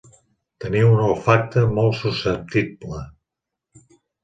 Tenir un olfacte molt susceptible.